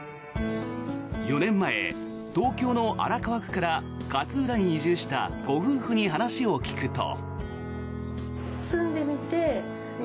４年前、東京の荒川区から勝浦に移住したご夫婦に話を聞くと。